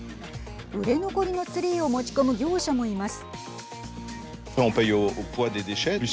売れ残りのツリーを持ち込む業者もいます。